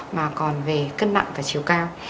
mà còn về cân nặng và chiều cao